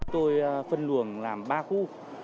tôi phân luồng làm ba khu